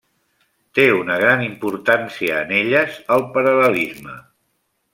Té una gran importància en elles el paral·lelisme.